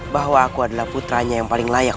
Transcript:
bahwa aku adalah putranya yang paling layak